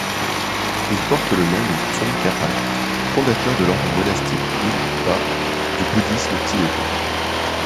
Il porte le nom de Tsongkhapa, fondateur de l'ordre monastique Gelugpa du bouddhisme tibétain.